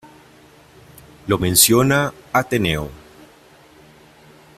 Lo menciona Ateneo.